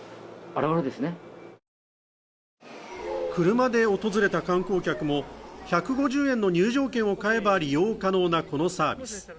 車で訪れた観光客も、１５０円の入場券を買えば利用可能なこのサービス。